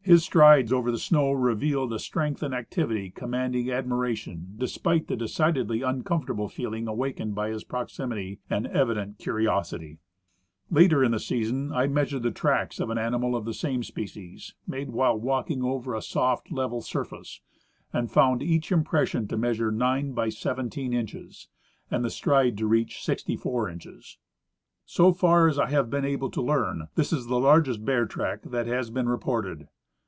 His strides over the snow revealed a strength and activity commanding admiration despite the decidedly uncomfortable feeling awakened by his proximity and evident curiosity. Later in the season I meas ured the tracks of an animal of the same species, made while walking over a soft, level surface, and found each impression to measure 9 by 17 inches, and the stride to reach 64 inches. So far as I have been able to learn, this is the largest bear track that has been reported.